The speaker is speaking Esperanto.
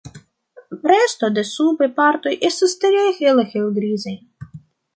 Resto de subaj partoj estas tre hele helgrizaj.